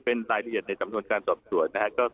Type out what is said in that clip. เป็นรายละเอียดในจำส่วนการตอบตรวจนะฮะก็ขอ